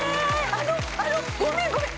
あのあのごめんごめん！